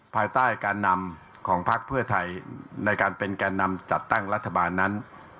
ภายใต้การนำของพักเพื่อไทยในการเป็นแก่นำจัดตั้งรัฐบาลนั้น